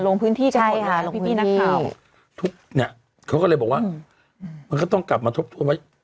ลงพื้นที่ใช่ค่ะพี่นักข่าวเขาก็เลยบอกว่ามันก็ต้องกลับมาทบทวนไว้